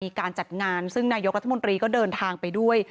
การจัดงานซึ่งนายกรัฐมนตรีก็เดินทางไปด้วย